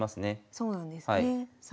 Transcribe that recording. そうなんですね。